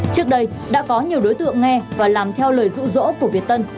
trước đây đã có nhiều đối tượng nghe và làm theo lời rũ rỗ của việt tân